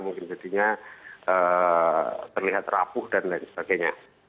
mungkin jadinya terlihat rapuh dan lain sebagainya